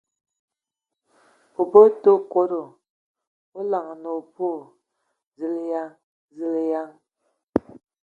O bɔ tǝ kodo ! O laŋanǝ o boo !... Zulayan ! Zulǝyan!